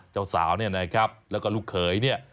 เจ้าสาวเนี่ยนะครับแล้วก็ลูกเขยเนี่ย